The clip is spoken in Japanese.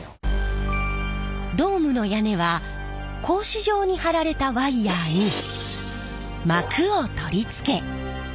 ドームの屋根は格子状に張られたワイヤーに膜を取り付け